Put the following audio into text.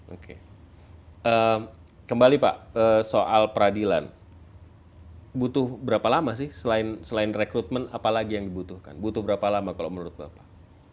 oke kembali pak soal peradilan butuh berapa lama sih selain rekrutmen apalagi yang dibutuhkan butuh berapa lama kalau menurut bapak